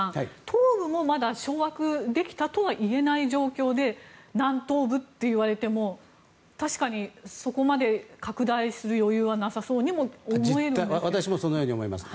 東部もまだ掌握できたとはいえない状況で南東部といわれても確かにそこまで拡大する余裕はなさそうにも思えるんですが。